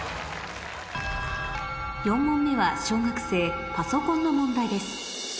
４問目は小学生パソコンの問題です